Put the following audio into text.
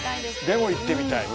「でも行ってみたい」